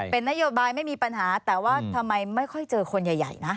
เป็นนโยบายไม่มีปัญหาแต่ว่าทำไมไม่ค่อยเจอคนใหญ่นะ